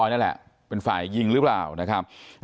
แต่มันถือปืนมันไม่รู้นะแต่ตอนหลังมันจะยิงอะไรหรือเปล่าเราก็ไม่รู้นะ